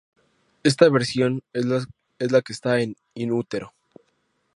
Esta versión es la que está en In Utero.